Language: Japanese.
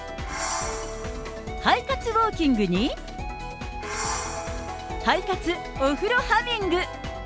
肺活ウォーキングに、肺活お風呂ハミング。